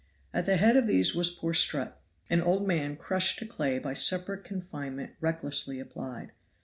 At the head of these was poor Strutt, an old man crushed to clay by separate confinement recklessly applied.